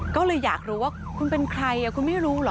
ก็เลยอยากรู้ว่าคุณเป็นใครคุณไม่รู้เหรอ